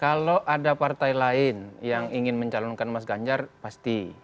kalau ada partai lain yang ingin mencalonkan mas ganjar pasti